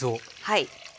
はい。